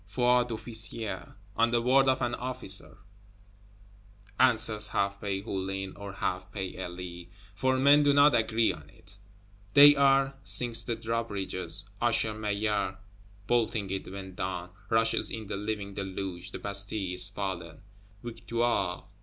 "Foi d'officier, On the word of an officer," answers half pay Hulin, or half pay Elie for men do not agree on it "they are!" Sinks the drawbridge, Usher Maillard bolting it when down; rushes in the living deluge; the Bastille is fallen! _Victoire!